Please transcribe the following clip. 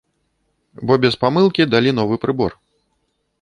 Бо без памылкі далі новы прыбор!